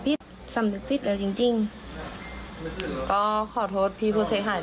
ลองฟังแล้วกันนะครับ